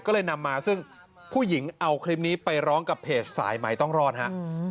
ก็เลยนำมาซึ่งผู้หญิงเอาคลิปนี้ไปร้องกับเพจสายไหมต้องรอดฮะ